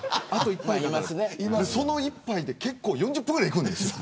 その一杯で結構４０分ぐらいいくんです。